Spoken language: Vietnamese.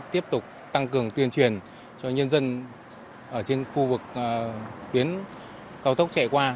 tiếp tục tăng cường tuyên truyền cho nhân dân ở trên khu vực tuyến cao tốc chạy qua